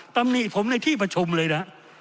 ตำหนิผมในที่ประชุมเลยนะ